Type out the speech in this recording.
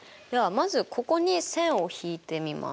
まずここに線を引いてみます。